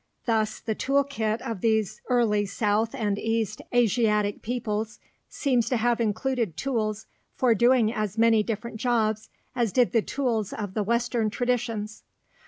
Thus the tool kit of these early south and east Asiatic peoples seems to have included tools for doing as many different jobs as did the tools of the Western traditions.